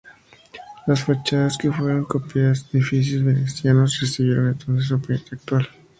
Las fachadas, que fueron copiadas de edificios venecianos, recibieron entonces su apariencia actual.